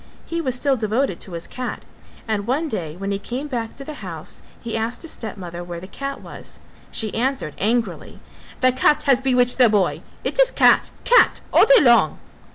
He was still devoted to his cat and one day when he came back to the house, he asked his stepmother where the cat was. She answered angrily, "The cat has bewitched the boy! It is 'cat, cat,' all day long."